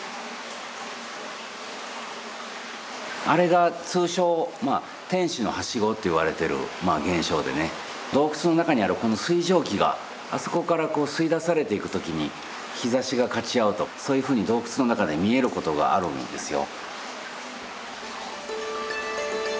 あれが通称「天使の梯子」っていわれてる現象でね洞窟の中にあるこの水蒸気があそこから吸い出されていくときに日ざしがかち合うとそういうふうに洞窟の中で見えることがあるんですよ。